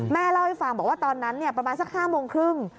เล่าให้ฟังบอกว่าตอนนั้นประมาณสัก๕โมงครึ่ง